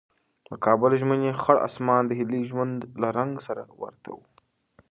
د کابل ژمنی خړ اسمان د هیلې د ژوند له رنګ سره ورته و.